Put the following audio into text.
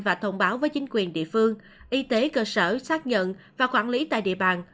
và thông báo với chính quyền địa phương y tế cơ sở xác nhận và quản lý tại địa bàn